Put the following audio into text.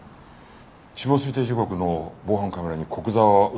死亡推定時刻の防犯カメラに古久沢は映ってなかったよな？